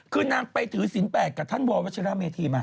คือนางไปถือศิลปกับท่านววัชราเมธีมา